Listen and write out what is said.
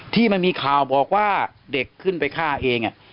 ที่มีข่าวบอกว่าเด็กขึ้นไปฆ่าเอง